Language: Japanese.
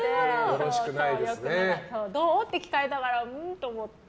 どう？って聞かれたからうんと思って。